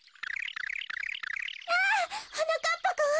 きゃはなかっぱくん？